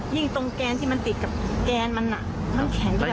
ตรงแกนที่มันติดกับแกนมันแข็งด้วย